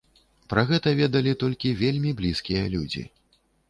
Пра гэта ведалі толькі вельмі блізкія людзі.